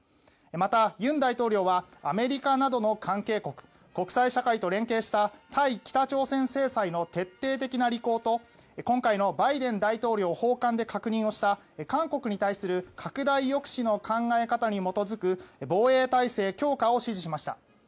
また、尹大統領はアメリカなどの関係国国際社会と連携した対北朝鮮制裁の徹底的な履行と今回のバイデン大統領訪韓で確認をした韓国に対する拡大抑止の考え方に基づく防衛態勢強化を指示しました。